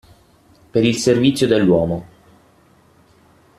Per il servizio dell'uomo.